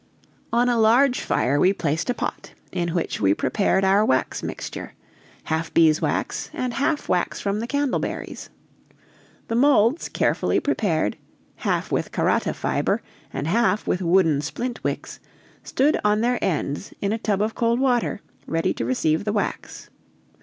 On a large fire we placed a pot, in which we prepared our wax mixture half beeswax and half wax from the candleberries. The molds, carefully prepared half with karata fiber, and half with wooden splint wicks stood on their ends in a tub of cold water, ready to receive the wax.